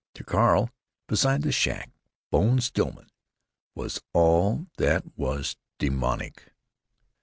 To Carl, beside the shack, Bone Stillman was all that was demoniac.